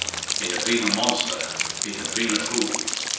He had been a monster, he had been a fool.